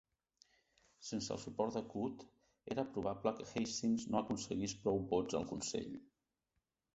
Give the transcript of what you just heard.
Sense el suport de Coote, era probable que Hastings no aconseguís prou vots al Consell.